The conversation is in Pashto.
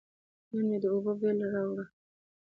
نن مې د اوبو بیل راووړ.